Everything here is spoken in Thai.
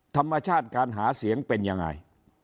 ธรรมชาติการหาเสียงเป็นยังไง